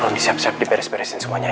tolong siap siap diberes beresin semuanya ya